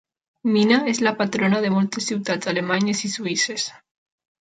Mina és la patrona de moltes ciutats alemanyes i suïsses.